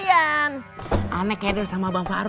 kayak gada yang sabar